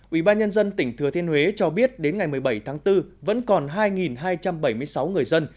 ủy ban nhân dân tỉnh thừa thiên huế cho biết đến ngày một mươi bảy tháng bốn vẫn còn hai hai trăm bảy mươi sáu người dân